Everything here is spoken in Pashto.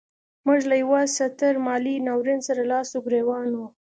موږ له یوه ستر مالي ناورین سره لاس و ګرېوان وو.